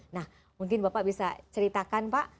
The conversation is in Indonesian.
nah mungkin bapak bisa ceritakan pak